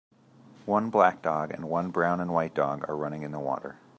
One black dog and one brown and white dog are running in the water.